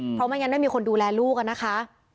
เพราะไม่งั้นไม่มีคนดูแลลูกอะนะคะ